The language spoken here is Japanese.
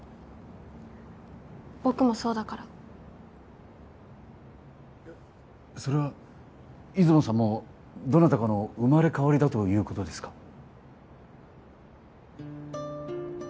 僕もそうだからそれは出雲さんもどなたかの生まれ変わりだということですか？